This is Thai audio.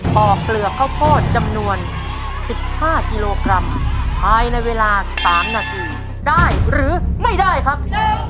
ปอกเปลือกข้าวโพดจำนวน๑๕กิโลกรัมภายในเวลา๓นาทีได้หรือไม่ได้ครับ